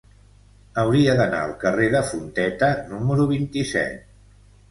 Hauria d'anar al carrer de Fonteta número vint-i-set.